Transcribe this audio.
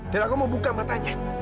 dan aku mau buka matanya